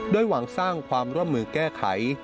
โดยหวังสร้างความร่วมมือแก้ไข